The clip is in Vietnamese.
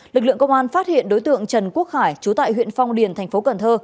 lực lượng công an phát hiện đối tượng trần quốc khải trú tại huyện phong điền thành phố cần thơ